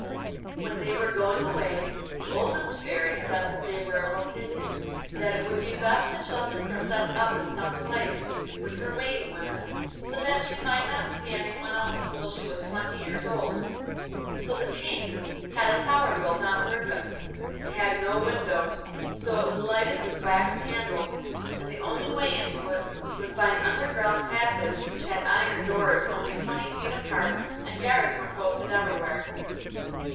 When they were going away the oldest Fairy said that they were of opinion that it would be best to shut the Princess up in some place, with her waiting women, so that she might not see anyone else until she was twenty years old. So the King had a tower built on purpose. It had no windows, so it was lighted with wax candles, and the only way into it was by an underground passage, which had iron doors only twenty feet apart, and guards were posted everywhere.